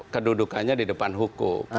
kedudukannya di depan hukum